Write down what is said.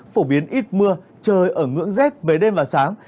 phổ biến ít mưa trời ở ngưỡng z với đêm và sáng